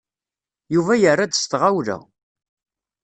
Yuba yerra-d s tɣawla.